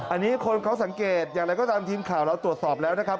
อันนี้คนเขาสังเกตอย่างไรก็ตามทีมข่าวเราตรวจสอบแล้วนะครับ